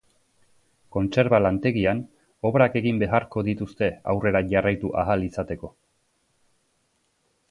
Kontserba-lantegian obrak egin beharko dituzte aurrera jarraitu ahal izateko.